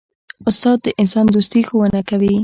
استاد د انسان دوستي ښوونه کوي.